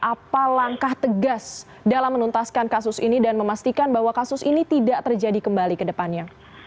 apa langkah tegas dalam menuntaskan kasus ini dan memastikan bahwa kasus ini tidak terjadi kembali ke depannya